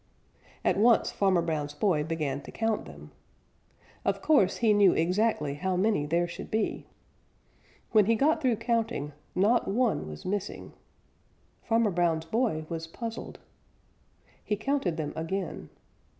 At once Farmer Brown's boy began to count them. Of course, he knew exactly how many there should be. When he got through counting, not one was missing. Farmer Brown's boy was puzzled. He counted them again.